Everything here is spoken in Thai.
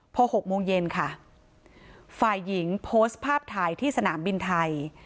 พอ๖โมงเย็นค่ะฝ่ายหญิงโพสต์ภาพถ่ายที่สนามบินไทย